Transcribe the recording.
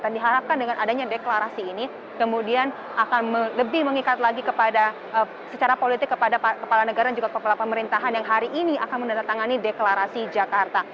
dan diharapkan dengan adanya deklarasi ini kemudian akan lebih mengikat lagi kepada secara politik kepada kepala negara dan juga kepala pemerintahan yang hari ini akan mendatangani deklarasi jakarta